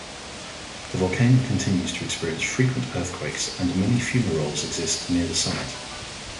The volcano continues to experience frequent earthquakes, and many fumaroles exist near the summit.